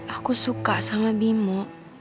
aku suka sama bimo